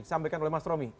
sampaikan oleh mas romy